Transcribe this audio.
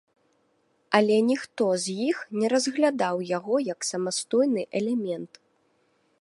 Але ніхто з іх не разглядаў яго як самастойны элемент.